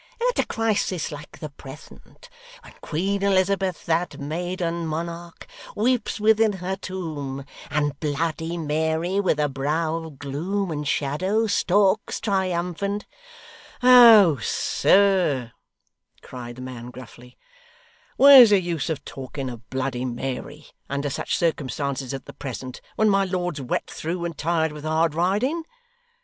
'At a crisis like the present, when Queen Elizabeth, that maiden monarch, weeps within her tomb, and Bloody Mary, with a brow of gloom and shadow, stalks triumphant ' 'Oh, sir,' cried the man, gruffly, 'where's the use of talking of Bloody Mary, under such circumstances as the present, when my lord's wet through, and tired with hard riding?